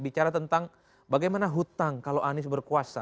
bicara tentang bagaimana hutang kalau anies berkuasa